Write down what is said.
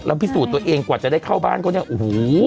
แล้วพิสูจน์ตัวเองกว่าจะได้เข้าบ้านเขาเนี่ยโอ้โห